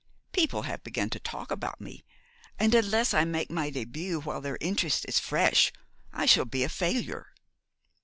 People have begun to talk about me; and unless I make my début while their interest is fresh I shall be a failure.